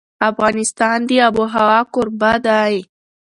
افغانستان د آب وهوا کوربه دی.